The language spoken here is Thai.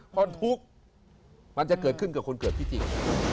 คนพลุกมันจะเกิดขึ้นเกือบคนเกิดที่จริง